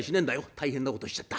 大変なことしちゃった。